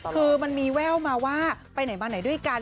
คือมันมีแว่วมาว่าไปไหนมาไหนด้วยกัน